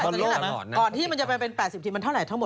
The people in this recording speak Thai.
ก่อนที่มันจะเป็น๘๐ทีมมันเท่าไหร่ทั้งหมด